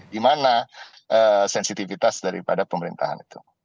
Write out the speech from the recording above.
gimana sensitivitas daripada pemerintahan itu